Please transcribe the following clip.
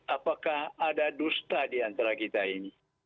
apakah ada dusta di antara kita ini